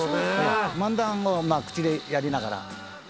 「漫談を口でやりながら」